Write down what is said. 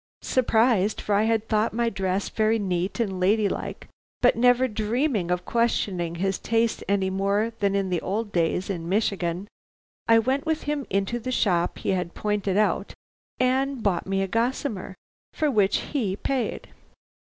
"Surprised, for I had thought my dress very neat and lady like, but never dreaming of questioning his taste any more than in the old days in Michigan, I went with him into the shop he had pointed out and bought me a gossamer, for which he paid.